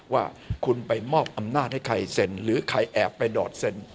ว่าคุณไปมอบอำนาจให้ใครเซ็นหรือใครแอบไปดอดเซ็น